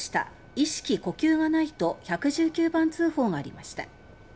意識、呼吸がない」と１１９番通報がありました。